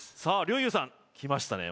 陵侑さんきましたね